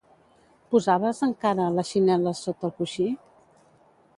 Posaves, encara, les xinel·les sota el coixí?